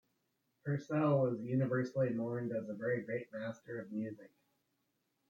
Purcell was universally mourned as a very great master of music.